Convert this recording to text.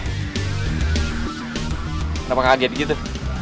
kenapa kaget gitu